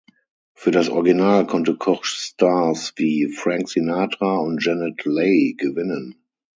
Für das Original konnte Koch Stars wie Frank Sinatra und Janet Leigh gewinnen.